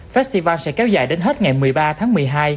festival sẽ kéo dài đến hết ngày một mươi ba tháng một mươi hai